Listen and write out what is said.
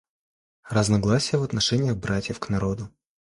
Разногласие в отношениях братьев к народу.